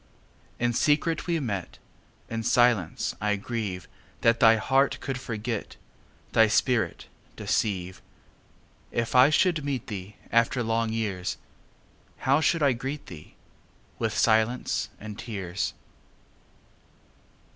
In secret we met:In silence I grieveThat thy heart could forget, Thy spirit deceive. If I should meet theeAfter long years, How should I greet thee?—With silence and tears.